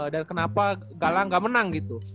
dan kenapa galang gak menang gitu